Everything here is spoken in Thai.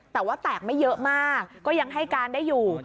แต่ว่าแตกไม่เยอะมากก็ยังให้การได้อยู่